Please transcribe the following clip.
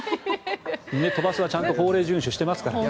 都バスはちゃんと法令順守していますからね。